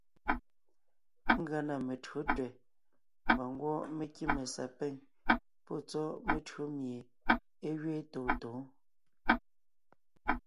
Ngʉa na metÿǒ tẅɛ̀ mbà ngwɔ́ mé kíme sapîŋ pɔ́ tsɔ́ metÿǒ mie é gẅeen tôontǒon.